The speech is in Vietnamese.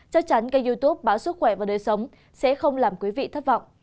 chắc chắn kênh youtube báo sức khỏe và đời sống sẽ không làm quý vị thất vọng